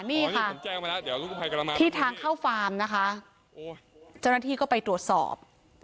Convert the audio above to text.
นี่ค่ะที่ทางเข้าฟาร์มนะคะโอ้เจ้าหน้าที่ก็ไปตรวจสอบ